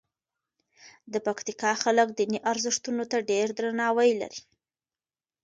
د پکتیکا خلک دیني ارزښتونو ته ډېر درناوی لري.